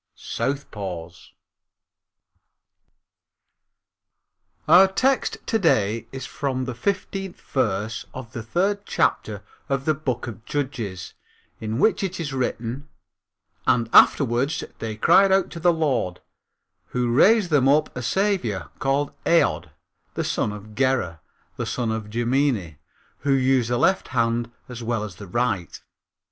Southpaws Our text to day is from the fifteenth verse of the third chapter of the Book of Judges, in which it is written: "And afterwards they cried out to the Lord, who raised them up a saviour called Aod, the son of Gera, the son of Jemini, who used the left hand as well as the right."